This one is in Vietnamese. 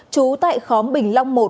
trú tại khóm bình long một